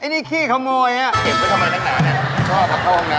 เดี๋ยวมามาเป็นช่วง